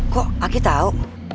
kok aki tau